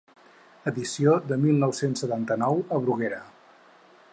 Edició de mil nou-cents setanta-nou a Bruguera.